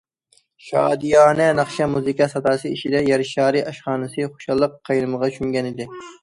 شادىيانە ناخشا- مۇزىكا ساداسى ئىچىدە يەر شارى ئاشخانىسى خۇشاللىق قاينىمىغا چۆمگەنىدى.